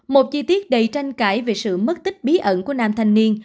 một chi tiết đầy tranh cãi về sự mất tích bí ẩn của nam thanh niên